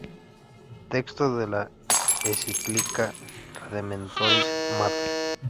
Texto de la encíclica Redemptoris Mater